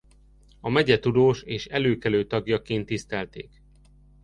A megye tudós és előkelő tagjaként tisztelték.